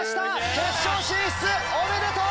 決勝進出おめでとう！